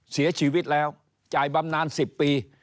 เสียชีวิตแล้วจ่ายบำนาน๑๐ปี